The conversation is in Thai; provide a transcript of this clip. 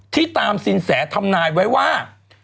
ที่ตามสินแสธรรมนายไว้ว่า